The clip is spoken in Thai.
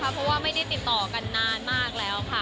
เพราะว่าไม่ได้ติดต่อกันนานมากแล้วค่ะ